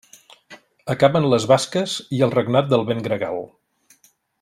Acaben les basques i el regnat del vent gregal.